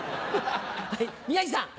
はい宮治さん。